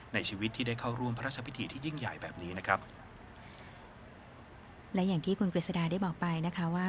ในชีวิตที่ได้เข้าร่วมพระราชพิธีที่ยิ่งใหญ่แบบนี้นะครับและอย่างที่คุณกฤษดาได้บอกไปนะคะว่า